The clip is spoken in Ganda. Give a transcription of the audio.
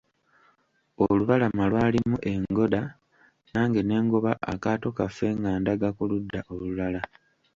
Olubalama lwalimu engoda, nange ne ngoba akaato kaffe nga ndaga ku ludda olulala.